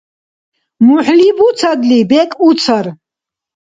МухӀли буцадли, бекӀ уцар.